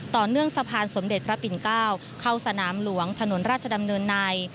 ต่อเนื่องสะพานสมเด็จพระปิ่น๙เข้าสนามหลวงถนนราชดำเนินใน